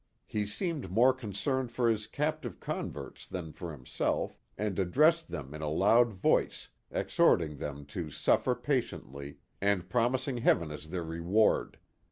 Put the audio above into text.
He seemed more concerned for his captive converts than for himself, and addressed them in a loud voice, exhorting them to suffer patiently, and promising heaven as their reward.